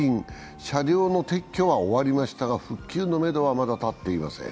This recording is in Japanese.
車両の撤去は終わりましたが、復旧のめどはまだ立っていません。